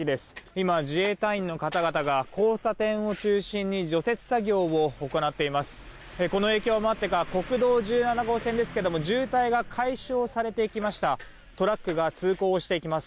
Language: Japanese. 今、自衛隊員の方々が交差点を中心に除雪作業を行っています。